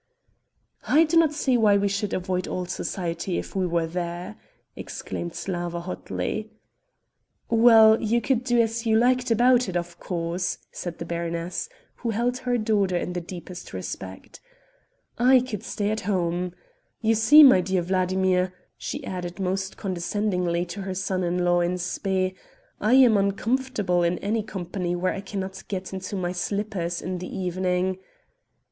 "I do not see why we should avoid all society if we were there," exclaimed Slawa hotly. "Well, you could do as you liked about it, of course," said the baroness, who held her daughter in the deepest respect, "I could stay at home; you see, my dear Vladimir," she added almost condescendingly to her son in law in spe, "I am uncomfortable in any company where I cannot get into my slippers in the evening...."